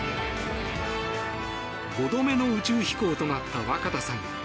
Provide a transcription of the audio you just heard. ５度目の宇宙飛行となった若田さん。